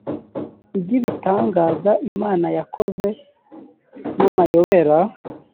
iby ibitangaza imana yakoze namayobera